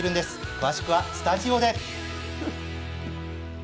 詳しくは、スタジオで。